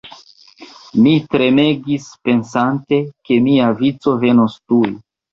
Mi tremegis pensante, ke mia vico venos tuj.